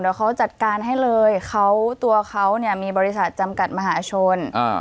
เดี๋ยวเขาจัดการให้เลยเขาตัวเขาเนี่ยมีบริษัทจำกัดมหาชน